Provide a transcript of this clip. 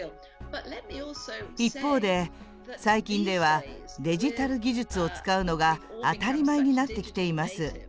一方で、最近ではデジタル技術を使うのが当たり前になってきています。